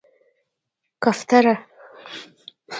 🕊 کفتره